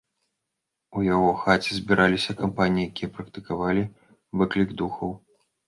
У яго хаце збіраліся кампаніі, якія практыкавалі выклік духаў.